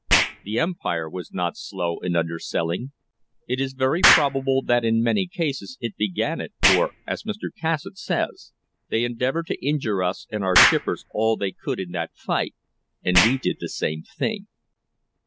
The Empire was not slow in underselling. It is very probable that in many cases it began it, for, as Mr. Cassatt says, "They endeavoured to injure us and our shippers all they could in that fight, and we did the same thing."